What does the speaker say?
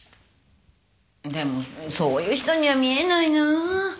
でもそういう人には見えないなぁ。